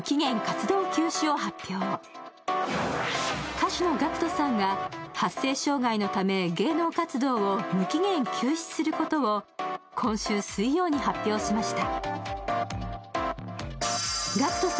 歌手のＧＡＣＫＴさんが発声障害のため芸能活動を無期限休止することを今週水曜に発表しました。